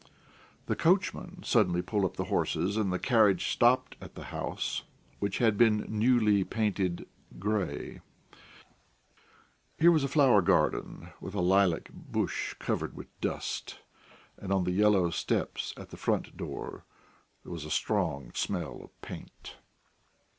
The coachman suddenly pulled up the horses, and the carriage stopped at the house, which had been newly painted grey; here was a flower garden, with a lilac bush covered with dust, and on the yellow steps at the front door there was a strong smell of paint.